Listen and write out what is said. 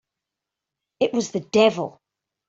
It was the devil!